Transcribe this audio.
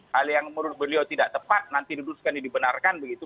hal yang menurut beliau tidak tepat nanti diteruskan dibenarkan begitu